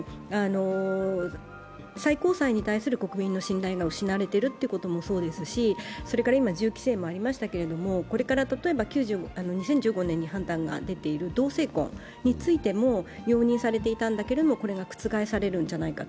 最高裁に対する国民の信頼が失われているということもそうですし今、銃規制もありましたけど、これから、２０１５年に判断が出ている同性婚についても容認されていたんだけど、これが覆されるんじゃないか。